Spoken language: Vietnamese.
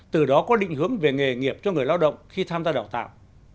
từ đó có định hướng về nghề nghiệp cho người lao động khi tham gia đào tạo